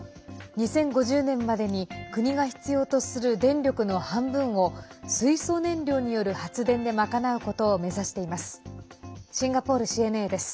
２０５０年までに国が必要とする電力の半分を水素燃料による発電で賄うことを目指しています。